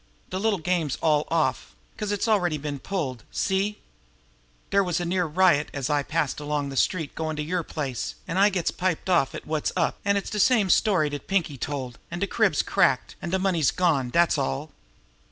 De little game's all off 'cause it's already been pulled. See? Dere was near a riot as I passes along a street goin' to yer place, an' I gets piped off to wot's up, an' it's de same story dat Pinkie's told, an' de crib's cracked, an' de money's gone dat's all."